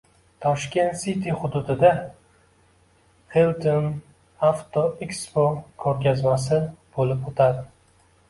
Tashkent City hududida Hilton Auto Expo ko‘rgazmasi bo‘lib o‘tadi